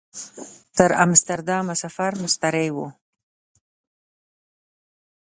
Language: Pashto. تر امسټرډامه سفر مستریح و.